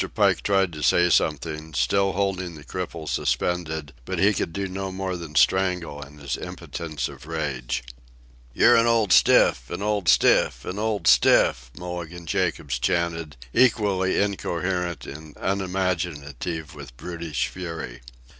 Pike tried to say something, still holding the cripple suspended, but he could do no more than strangle in his impotence of rage. "You're an old stiff, an old stiff, an old stiff," Mulligan Jacobs chanted, equally incoherent and unimaginative with brutish fury.